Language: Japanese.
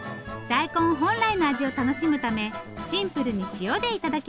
大根本来の味を楽しむためシンプルに塩で頂きます。